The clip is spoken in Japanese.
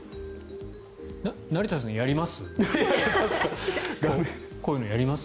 成田さんやります？